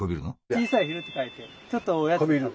「小さい昼」って書いてちょっとおやつを食べる。